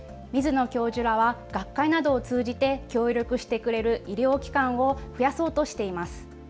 水野教授らは学会などを通じて協力してくれる医療機関を増やそうとしています。